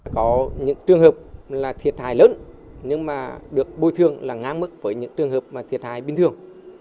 có những trường hợp thiệt hại lớn nhưng được bôi thương là ngang mức với những trường hợp thiệt hại bình thường